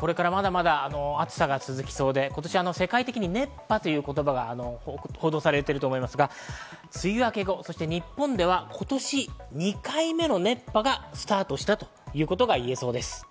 これからまだまだ暑さが続きそうで、世界的に今年、熱波という言葉が報道されていますが、梅雨明けの日本では今年２回目の熱波がスタートしたということが言えそうです。